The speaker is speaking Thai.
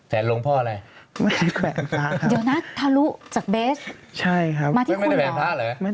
แผนลงเพราะอะไรครับเดี๋ยวนะทะลุจากเบสมาที่คุณเหรอ